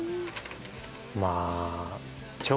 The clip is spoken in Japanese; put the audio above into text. まあ。